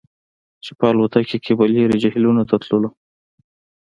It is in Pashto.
چې په الوتکه کې به لرې جهیلونو ته تللو